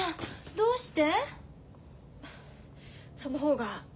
どうして？